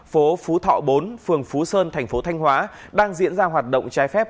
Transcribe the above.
phố phú thọ bốn phường phú sơn thành phố thanh hóa đang diễn ra hoạt động trái phép